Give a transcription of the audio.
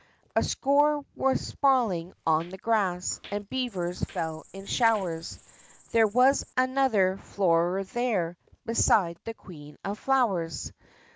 A score were sprawling on the grass, And beavers fell in showers; There was another Floorer there Beside the Queen of Flowers!